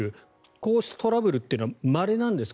こうしたトラブルっていうのはまれなんですか？